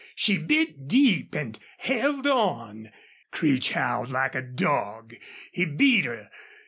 She bit deep and held on. Creech howled like a dog. He beat her.